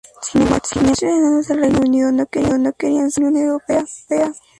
Sin embargo, muchos ciudadanos del Reino Unido no querían salir de la Unión Europea.